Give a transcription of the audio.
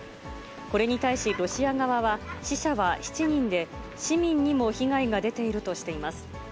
これに対し、ロシア側は死者は７人で、市民にも被害が出ているとしています。